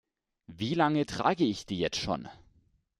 Wie lange trage ich die jetzt schon?